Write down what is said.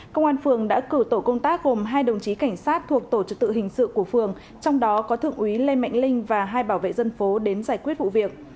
công an phường đã cử tổ công tác gồm hai đồng chí cảnh sát thuộc tổ trực tự hình sự của phường trong đó có thượng úy lê mạnh linh và hai bảo vệ dân phố đến giải quyết vụ việc